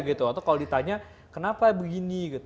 atau kalau ditanya kenapa begini